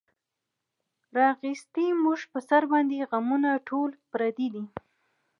راغیستې مونږ پۀ سر باندې غمونه ټول پردي دي